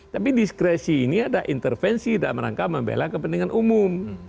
tapi diskresi ini ada intervensi dalam rangka membela kepentingan umum